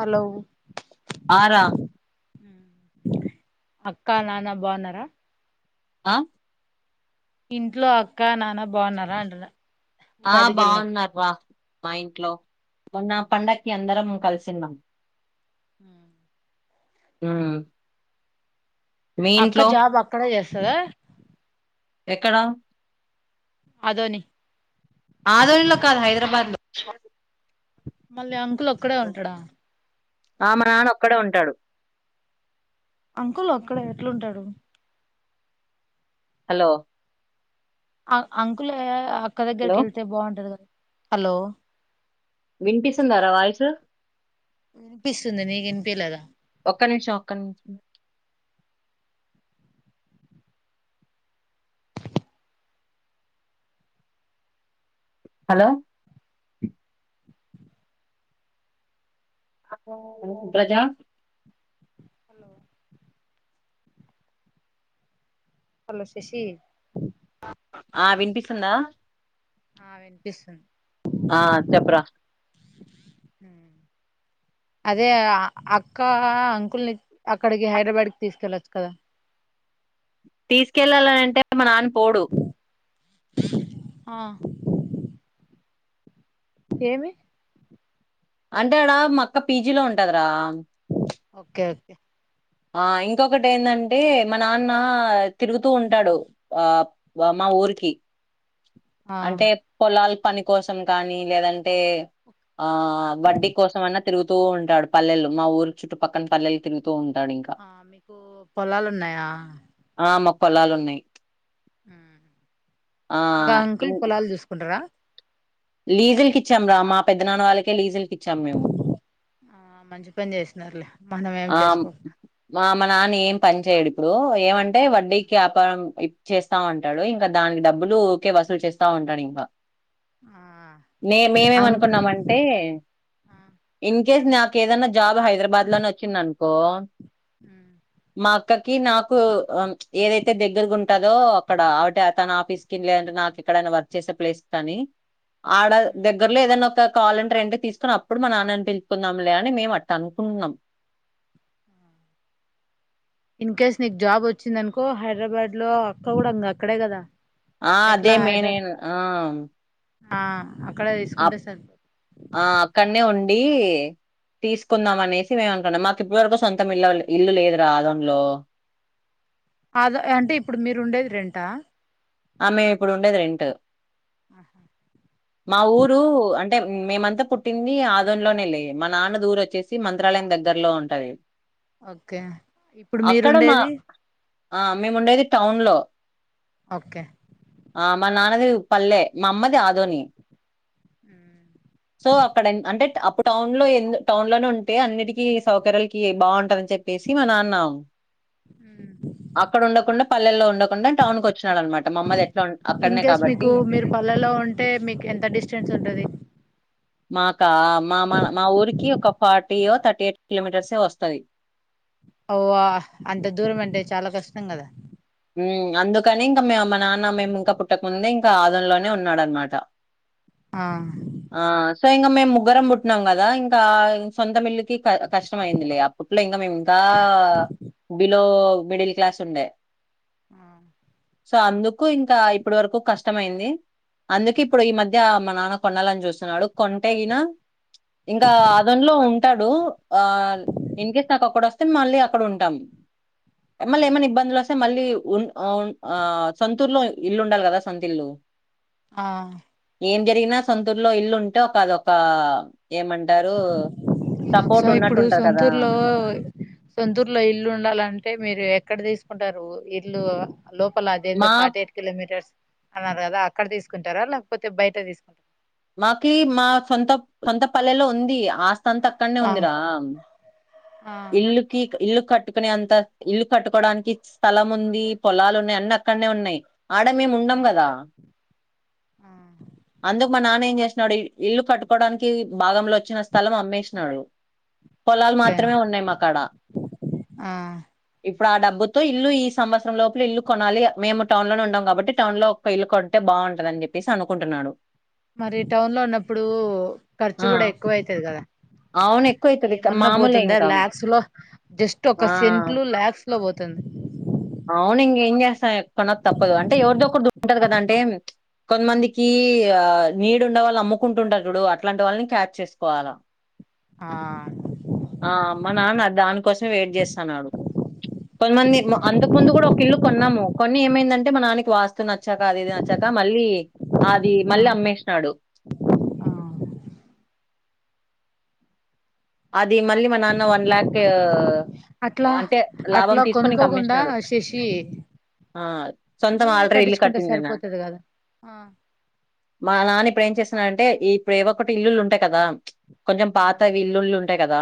Hello. ఆహ్ రా. అక్క నాన్న బావున్నరా. ఆహ్. ఇంట్లో అక్క నాన్న బావున్నారా అంటున్నా. ఆహ్ ఉగాదికి వెళ్ళి బావున్నారు రా మా ఇంట్లో మొన్న పండక్కి అందరం. కలిసిన్నం. ఉమ్. ఉమ్. మీ అక్క ఇంట్లో జాబ్ అక్కడే చేస్తదా. ఎక్కడా. అదోని. ఆదోనిలో కాదు హైదరాబాద్ లో. మళ్ళీ అంకుల్ ఒక్కడే ఉంటడా. ఆహ్ మా నాన్న ఒక్కడే ఉంటడూ. అంకుల్ ఒక్కడే ఎట్లుంటాడు. హలో. అ అంకులే అక్క హలో దగ్గరికి యేళ్తే బాగుంటది కదా. వినిపిస్తుందారా వాయిసు. వినిపిస్తుంది నీకివినిపియట్లేదా. ఒక్క నిమిషం ఒక్క నిమిషం. హలో. ప్రజా. హలో. హలో శేశి. ఆహ్ వినిపిస్తుందా. ఆహ్ వినిపిస్తుంది. ఆహ్ చెప్పురా. ఉమ్. అదే అ అక్క అంకుల్ని అక్కడికి హైడ్రాబాద్ కి తీసుకెళ్ళొచ్చు కదా. తీసుకెళ్ళాలనంటే మా నాన్న పోడు. ఆహ్. ఏమి. అంటే ఆడా మా అక్క పీజీలో ఉంటదిరా. Okay okay. ఆహ్ ఇంకొకటి ఏందంటే మా నాన్నా తిరుగుతూ ఉంటాడు ఆహ్ వ మా. ఆ ఊరికి. ఆ అంటే పొలాల పని కోసం కానీ లేదంటే. ఆహ్ వడ్డీ కోసమైనా తిగుతూ ఉంటాడు. పల్లెలు మా ఊరు చుట్టుపక్కన పల్లెలు తిరుగుత్. ఆహ్ మీకూ పొలాలున్నాయా. పొలాలున్నాయి. హ్మ్ ఇంకా అంకుల్ పొలాలు చూసుకుంటరా లీజిల్ కిచ్చాం రా మా పెద్దనాన్న వాళ్ళకి కే లీజిల్ కిచ్చాం మేము ఆ మంచి పని చేసినారులే మనం ఏం ఆమ్ చేసుకో మా మా నాన్నేం. పని చేయడు ఇప్పుడు ఏమంటే వడ్డీకి యాపారం ఇప్ చేస్తా వుంటాడు ఇంకా దానికి డబ్బులు ఉకె వ. వసూలు చేస్తా ఉంటాడు ఇంకా. ఆ నే అం మేమేమనుకున్నామంటే ఇంక్. కేస్ నాకు ఏదన్నా జాబ్ హైదరాబాద్ లోనే ఒచ్చింది అనుకో మా అక్కకి నాకు ఆమ్ చ్ ఏదై తే దగ్గరగా ఉంటాదో అక్కడ అవట తన ఆఫీస్ కింద లేదంటే నాకు ఎక్కడైనా వర్క్ చేసే ప్లేస్ కానీ ఆడ దగ్గరలో ఏదన్నా ఒక కావల్ ఎంటే రెంట్ కి తీసుకొని అప్పుడు మా నాన్నని పిలుపుకుందం లే అని మేము అట్ట అనుకున్నామ్. ఆ ఇన్ కేస్ నీకు జాబ్ వచ్చిందనుకో హైదరాబాద్ లో అక్క కూడా అంగ్ అక్కడే కదా. ఆ ఎట్లా అదే హైదరా మేనెన్ ఆ ఆ అక్కడే అప్ తీసుకుంటే సరిపో ఆ అక్కడనే ఉన్ డీ తీసుకుందాం అనేసి మేమ అనుకున్నాం మ ఇప్పడి వరకు సొంతం ఇల్లల్ ఇల్లు లేదురా ఆదోన్లో. అద అంటే ఇప్పుడు మీరు ఉండేది రెంటా? ఆ మేము ఇప్పుడు ఉండేది రెంట్. మా ఊరు అం టే మేమంతా పుట్టింది ఆదోన్లోనే లే మా నాన్నది ఊరు వచ్చేసి మంత్రాలయం దగ్గరలో ఉంటది. ఓకే ఇప్పుడు మీరు అక్కడ మా ఉండేది. ఆ మేము ఉండేది టౌన్ లో ఓకే ఆ మా నాన్నది పల్లె. మా అమ్మది ఆధోని. సో అక్కడ న్ అంటే అప్పుడు టౌన్ లో ఎల్ టౌన్ లోనే ఉంటే అన్నిటికీ సౌకర్యాలకి బావుంటది అని చెప్పే సి మా నాన్న అక్కడ ఉండకుండా పల్లెల్లో ఉండకుండా టౌన్ కి వచ్చినాడు అనమాట. మా అమ్మది ఎట్లా ఉం- ఇన్ అక్కడనే కేేస్ కాబట్టి మీకు మీరు పల్లెల్లో ఉంటే మీకు ఎంత డిస్టెన్స్ ఉంటది. మాకా మా మా మా ఊరికి ఒక ఫార్టీ యొ థర్టీ ఎయిట్ కిలోమీటర్సే వస్తది. ఓవా అంత దూరం అంటే చాలా కష్టం కదా. ఉమ్ అందుకని ఇంకా మే మా నాన్న మేము ఇంకా పుట్టకముందే ఇంకా ఆదొనోలోనే ఉన్నాడనమాట. ఆ ఆ సో ఇంకా మేము ముగ్గురం పుట్టిన్నాం కదా. ఇంకా సొంతం ఇల్లు కి క కష్టం అయిందిలే అప్పట్లో ఇంకా మేము ఇంకా బిలో మిడిల్ క్లాస్ ఉండే అ సో అందుకు ఇంకా ఇప్పుడు వరకు కష్టమయింది. అందుకె ఇప్పుడు ఈ మధ్య నాన్న కొనాలని చూస్తున్నాడు కొంటేగిన ఇంకా అదన్లో ఉంటడు. ఆ ఇన్ కేస్ నాకు అక్కడ వస్తే మళ్ళీ అక్కడ ఉంటాం. మళ్ళీ ఏమైనా ఇబ్బందులు వస్ మళ్ళీ ఉన్ ఆన్ ఆ సొంతూరులో లో ఇల్లు ఉండాలి కదా సొంత ఇల్లు. ఆ ఏం జరిగినా సొంతూర్లో ఇల్లు ఉంటే ఒక అదొకా టారూ సో ఇప్పుడు సొంతూర్లో సొంతూర్లో ఇల్లు ఉండాలంటే మీరు ఎక్కడ తీస్ కుంటారు ఇల్లు లోపల అదేందో మా ఫార్టీ ఎయిట్ కిలోమీటర్స్ అన్నారు కదా అక్కడ తీసుకుంటారా లేకపోతే బయట తీసు మాకి మా సొంత సొంత పల్లెలో ఉంది. ఆస్ సంత అక్కడనే ఉందిరా ఆ ఆ ఇల్లుకి ఇల్లు కట్టుకునే అంత ఇల్లు కట్టుకోడానికి స్థలం ఉంది, పొలాలు ఉన్నాయి. అన్ని అక్కడనే ఉన్నాయి. ఆడ మేము ఆ ఉండం కదా ఆ అందు, నానేం చేసినాడు ఇల్లు కట్టుకోడానికి భాగంల వచ్చిన స్థలం అమ్మేసినాడు పొలాలు ఓకే మాత్రమే ఉన్నాయి మా కాడ ఆ ఇప్ ఇప్పుడా ఆ డబ్బుతో ఇల్లు ఈ సంవత్సరం లోపల ఇల్లు కొనాలి. మేము టౌన్ లో ఉన్నాడం కాబట్టి టౌన్ లో ఒక్క ఇల్లు కొంటే బా బావుంటదని జేప్పెసి అనుకుంటున్నాడు. మరి టౌన్ లో ఉన్నప్పుడు ఖర్చు ఆ కూడా ఎక్కువ అయితది గదా. అవును ఎక్కువ అవుతది ఏమన్నా మామూలే పోతుందా ఇంకా లాక్స్ లో జస్ట్ ఒక ఆ సెంట్లు లాక్స్ లో పోతుంది [inaudible] అవును ఇంకా ఏం చేస్తా ఎక్కడ తప్పదు అంటే ఎవదొ ఒకరు ద ఉంటారు గాద అంటే కొంతమందికి ఆ నీడ్ ఉన్నా వాళ్ళు అమ్ముకుంటు ఉంటార్ జూడు అట్లాంటి వాళ్ళని క్యాచ్ చేసుకోవాల ఆ ఆ మా నాన్న దానికోసమే వైట్ జెస్తాన్నారు కొంతమంది మ అంతకు ముందు కూడా ఒక ఇల్లు కొన్నాము కొన్ని ఏమైందంటే మా నాన్నకి వాస్తా నచ్చాక అది ఇది నచ్చాక మళ్ళీ మళ్ళీ అది మళ్ళీ ఆ అమ్మేసినాడు ఆ అది మళ్ళీ మా నాన్న ఒన్లక్ అట్లా అంతే లాభం అట్లా తీసుకొని ఇంక కొనుక్కోకుండా అమ్మేసినాడు శశి ఆ సొంతం మీరే అల్ త్రి ఇల్లు కట్టించుకుంటే కట్టిన సరిపోతది కదా ఆ మా నాన్ననే ఇప్పుడు ఏం చేసిన అంటే ఈ ఇప్పుడు ఏఓ ఒకటి ఇల్లులు ఉంటాయి కదా కొంచెం పాతవి ఆ ఇల్లుళ్ళు ఉంటాయి కదా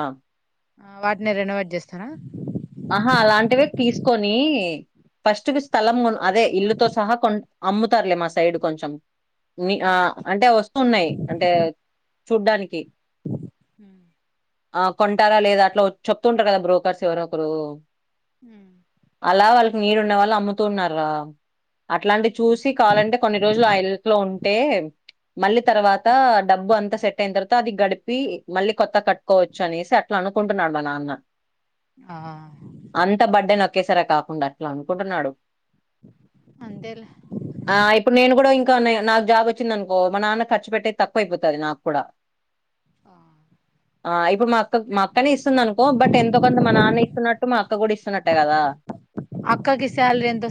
వాటిని రెనోవేట్ చేస్తారా ఆహా అలాంటివే తీసుకొని ఫస్ట మీ స్థలం కొను అదే ఇల్లుతో సహా కొ అమ్ముతారులే మా సైడ్ కొంచెం ఆ నిహా అంటే వస్తున్నాయి అంటే చూడానికి ఉమ్ ఆ కొంటారాలేదా అట్లా చెప్తుంటారు కదా బ్రోకర్స్ ఎవరొ ఒకరు ఊమ్ నీడ్ ఉన్న వాళ్ళు అమ్ముతున్నారా అట్లాంటి ఉమ్ చూసి కాలంటే కొన్ని రోజులు ఆ ఇల్లో ఉ అంటే మళ్ళీ తర్వాత డబ్బు అంతా సెట్ అయిన తర్వాత అది గడిపి మళ్ళ కొత్త కట్కోవచ్చు అనేసి అట్లా అనుకుంటున్నాడు మా నాన్న ఆ ఒకేసరే కాకుండా అట్లా అనుకుంటునడు అంతేలే ఆ ఇప్పుడు నేను కూడా నాకు జాబ్ వచ్చింది అనుకో మా నాన్న ఖర్చు పెట్టేది తక్కువైపోతుంది నాకు కూడా [inaudible] ఆ ఇప్పుడు మా మా అక్కనే ఇస్తుంది అనుకో బట్ ఎంతో కొంత మా నాన్న ఇస్తున్నట్టు మా అక్క కూడా ఇస్తున్నట్టే కదా అక్కాకి సాలరీ ఎంతవ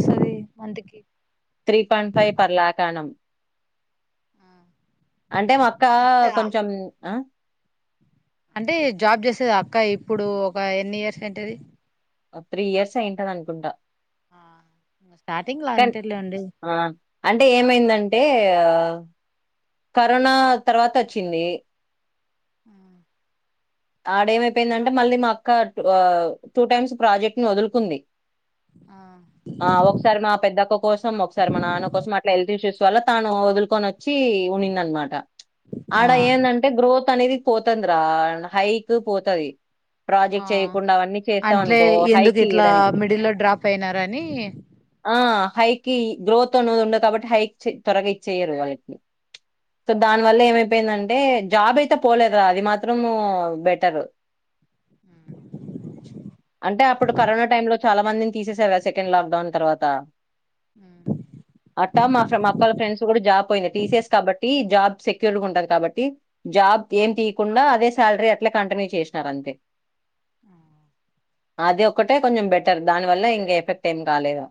three point five per lakh annum అంటే మక్క అంటే కొంచెం ఆ అంటే జాబ్ చేసేది అక్క ఇప్పుడు ఒక ఎన్ని ఇయర్స్ అయితది ఓ త్రీ ఇయర్స్ అ ఏయింటని అనుకుంటా ఆ స్టార్టింగ్ లో కన్ అంతేలేండి అంటే ఏమందంటే కా కరోనా తర్వాత హచ్చింది [inaudible] ఆడ ఏమైపోయిందంటే మళ్ళీ మా అక్క ట్వ టైమ్స్ ప్రాజెక్ట్ నీ వదులుకుంది ఆ ఆ ఒకసారి మా పెద్దక్క కోసం ఒకసారి మా నాన్న కోసం అట్లా హెల్త్ ఇష్యూస్ వల్ తాను వదులుకొని వచ్చి ఉన్నిందనమాట ఆ ఆడ ఏందంటే గ్రోత్ కనీ ఇది పోతంద్ర హైక్ పోతది ఆ ప్రాజెక్ట్ చేయకుండా అవన్నీ చేస్తా అంట్లే అనుకో హైక్ ఎందుకు ఇట్లా ఈయడమే మిడిల్ లో డ్రాప్ అయినారని ఆ హైక్ గ్రోత్ అన్నది ఉండదు కాబట్టి హైక్ త్వరగా ఇచ్చేయ్యరు వాళ్లకి సో ఆహా దాని వల్ల ఏమైపోయిందంటే జాబ్ అయితే పోలేదరా అది మాత్రము బెటరు అంటే అప్పుడు కరోనా టైమ్లో చాలా మందిన్ తీసేసార్ కదా సెకండ్ లొక్డౌన్ తర్వాతా మ్ [unintelligible] మా అక్క వాళ్ళ ఫ్రెండ్స్ గుడా జాబ్ పోయింది. టీసీఎస్ కాబట్టి జాబ్ సెక్యూర్ గా ఉంటది కాబట్టి జాబ్ ఏం తీయకుండా అదే సాలరీ ఇట్లా కంటిన్యూ చేసినార్ అంతే [unintelligible] అది ఒక్కటే కొంచెం బెటర్ దాని వల్ల ఇంక ఎఫెక్ట్ ఏం కాలేదు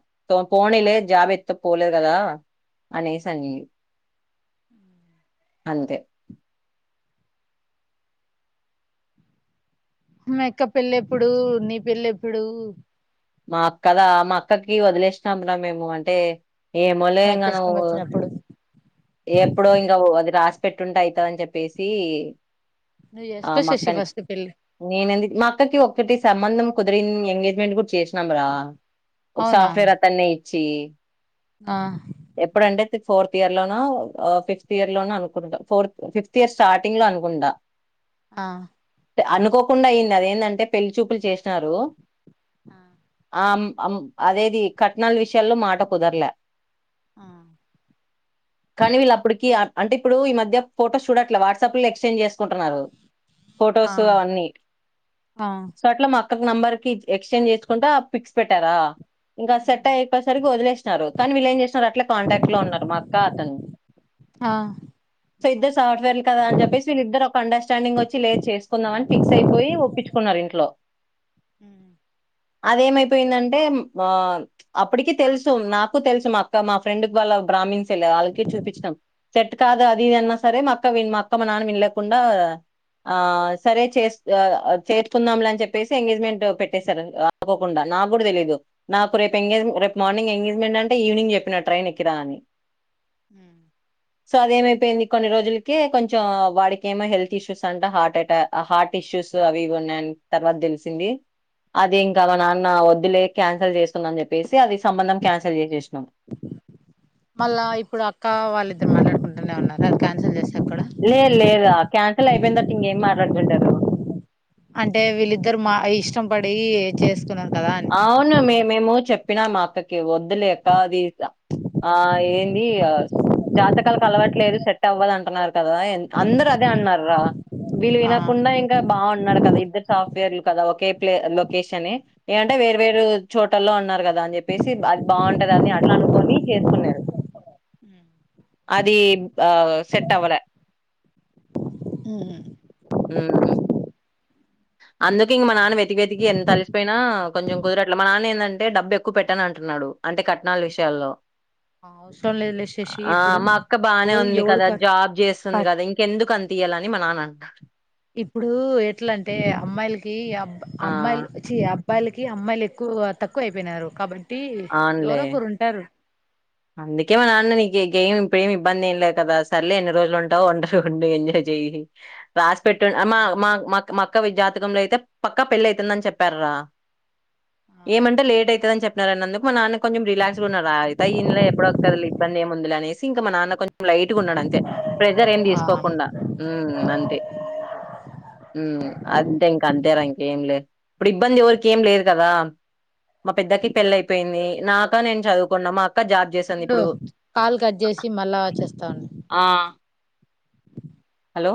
పోనీలే జాబితత్త పో ట్లేద్ గదా అనేస్ అనింది. అంతే మీ అక్క పెళ్లెప్పుడూ, నీ పెళ్లెప్పుడూ మా అక్కదా మా అక్కకి వదిలేసినం [inaudible] మేము అంటే ఏమోలే మీ ఇంగా అక్క నువు ఇష్టం వచ్చినప్పుడు ఎప్పుడో ఇంకా అది రాసి పెట్టుంటే అయితదన్ చెప్పేసి నువ్వు ఆ చేసుకో శశి మక్కన్ ఫస్ట్ పెళ్ళి నేనెం మా అక్కక్ ఇవ్వు ఒకటి సంబంధం కుదిరిం ఎంగేజ్మెంట్ కూడా చేసినం రా ఒక అవునా సాఫ్ట్వేర్ అతన్ని చీ ఆ ఎప్పుడంటే ఫోర్త్ ఇర్లో ఆ ఫిఫ్త్ ఇయర్లోనో అనుకుంటా ఫోర్త్ ఫిఫ్త్ ఇయర్ స్టార్టింగ్లో అనుకుంటా ఆ అనుకోకుండా అయ్యింది. అదేంటంటే పెళ్లిచూపుల్ చేసినారు. ఆ అం అం అదేది కట్నాల విషయాల్లో మాట కుదర్లే ఆ కానీ వీళ్ళు అప్పటికి అంటే ఇప్పుడు ఈ మధ్య ఫొటో చూడట్లే వాట్సాప్లు ఎక్స్చేంజ్ చేస్కుంటున్నారు. ఆ ఫొటోస్ అవన్నీ ఆ సో అట్లా మాక్ అక్క నెంబర్కి ఎక్స్చేంజ్ చేస్కుంటా పిక్స్ పెట్టారా ఇంకా సెట్ అయ్యే చెప్పేసరికి వదిలేసినారు. కానీ వీళ్ళెంచేసిన్నారు అట్లే కాంటాక్ట్లో ఉన్నారు మాక్ కా అతన్ ఆ సో ఇద్ద సాఫ్ట్వేర్లు కదా అని చెప్పేసి వీళ్ళిద్దర్ ఒక అండర్స్టాండింగ్ వచ్చి లేద్ చేస్కుందాం అని ఫిక్స్ అయిపోయి ఒప్పించుకున్నారు ఇంట్లో మ్ అదేమైపోయిందంటే మా అప్పటికి తెల్సు నాకు తెల్సు మా అక్క మా ఫ్రెండ్ వాళ్ళ బ్రామిన్స్ [inaudible] ఆళ్ళకి చూపించినం. సెట్ కాద్ అది ఇది అన్న సరే మా అక్క విన్ అక్క మా నాన్న వినిలేకుండా ఆ సరే చేస్ అ చేస్కుందాంలే అన్ చెప్పేసి ఎంగేజ్మెంట్ పెట్టేసార్ అనుకోకుండా నాక్ గుడా తెలీదు నాకు రేప్ ఎంగే రేపు మార్నింగ్ ఎంగేజ్మెంట్ అంటే ఈవినింగ్ చెప్పినార్ ట్రైన్ ఎక్కిరా అని హ్ సో అదేమైపోయింది కొన్ని రోజుల్కే కొంచెం వాడిక్ ఏమో హెల్త్ ఇష్యూస్ అంటా హార్ట్ అటాక్ హార్ట్ ఇష్యూస్ స్ అవి ఇవ్ ఉన్నయన్ తర్వాత్ తెల్సింది. అది ఇంకా మా నాన్న వద్దులే క్యాన్సల్ చేస్తున్నా చెప్పేసి అది సంబంధం క్యాన్సల్ చేసేసినం. మళ్ళా ఇప్పుడ్ అక్క వాళ్ళిద్దరు మాట్లాడుకుంటునే ఉన్నారా అది క్యాన్సల్ చేస్ లే లేదా క్యాన్సల్ అయిపోయిన్ తర్వాత్ ఇంకేం మాట్లాడ్కుంటరు. అంటే వీళ్ళిద్దరు మా ఇష్టం పడీ చేస్తున్నరు. అవును మే మేము చెప్పినా మా అక్కకి వద్దులే అక్క అది [inaudible] ఆ ఏంది ఆ జాతకాల్ కల్వట్లేదు సెట్ అవ్వద్ అంటున్నారు కదా ఎన్ అందర్ అన్ అదే అన్నార్ రా వీళ్ళు ఆ వినకుండా ఇంకా బాగున్నాడ్ కదా ఇద్దర్ సాఫ్ట్వేర్లు కదా ఒకే ప్లే లొకేష ఏ అంటే వేరు వేరు చోటల్లో ఉన్నారు కదా అని చెప్పేసీ అద్ బాగుంటది అని అట్లా అనుకొని చేస్కున్నారు. అదీ ఆ సెట్ అవ్వల హ్మ్మ్ ఊమ్ అందుకె ఇంక మా నాన్న వెతికి వెతికి ఎంత అలిసిపోయినా కొంచెం కుదరట్లే మా నాన్న ఏందంటే డబ్బు ఎక్కువ పెట్టాన్ అంటున్నాడు అంటే కట్నాల విషయాల్లో అవసరం లేదులే శశి ఆ ఇప్పుడు మా అక్క బానే ఎవడు ఉంది ఎవడు కదా జాబ్ క చేస్తుంది కదా ఇంకెందుక్ అం తీయాలని మా నాన్న అంట ఇప్పుడూ ఎట్లంటే అమ్మాయిలకి అబ్ ఆ! అమ్మాయిల్ చీ అబ్ అబ్బాయిలకి అమ్మాయిలు ఎక్కువ తక్కు అయిపోయినారు కాబట్టి అవునులే. ఎవరో ఒకరు ఉంటారు. అందుకే మా నాన్న నీకు గేమ్ ఇప్పుడు ఏమి ఇబ్బంది ఏం లేదు కదా సరలే ఎన్ని రోజులు ఉంటావు ఉండరు ఉం ఎజాయ్ చేయి రాసి పెట్టు అమ్మా మాక్ మాక్ మాకు జాతకంలో అయితే పక్కా పెళ్లి అయితుందని చెప్పార్రా ఏమంటే లేట్ ఐతదాని చెప్పినరందుకు మా నాన్న కొంచెం రిలాక్స్ గా ఉన్నారు అయితే దీనిలో ఎప్పుడోతదిలే ఇబ్బంది ఏమిముంది అనేసి ఇంకా మా నాన్న కొంచెం లైట్గా ఉండడు అంతే ప్రెజర్ ఏం ఆ తీసుకోకుండా ఉమ్ అంతే ఉమ్ అంతే ఇంక అంతేరా ఇంకేం లేదు ఇప్పుడు ఇబ్బంది ఎవరికి ఏం లేదు కదా మా పెద్దకి పెళ్ళ అయిపోయింది నాకా నేను చదువుకున్నా మా అక్క అక్క జాబ్ చేస్తుంది ఉండు ఇప్పుడు కాల్ కట్ చేసి మళ్ళా చేస్తా ఉండు ఆ హలో